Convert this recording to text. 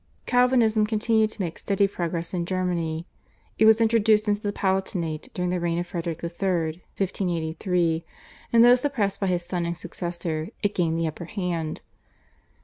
Calvinism continued to make steady progress in Germany. It was introduced into the Palatinate during the reign of Frederick III. (1583), and though suppressed by his son and successor, it gained the upper hand.